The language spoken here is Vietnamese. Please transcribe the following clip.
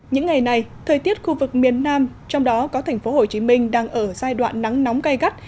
những ngày này thời tiết khu vực miền nam trong đó có thành phố hồ chí minh đang ở giai đoạn nắng nóng gây gắt